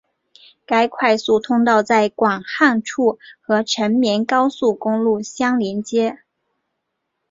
该快速通道在广汉处和成绵高速公路相连接。